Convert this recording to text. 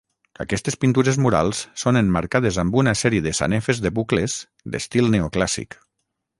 Aquestes pintures murals són emmarcades amb una sèrie de sanefes de bucles, d'estil neoclàssic.